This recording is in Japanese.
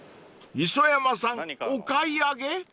［磯山さんお買い上げ？］